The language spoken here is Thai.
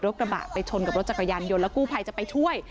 กระบะไปชนกับรถจักรยานยนต์แล้วกู้ภัยจะไปช่วย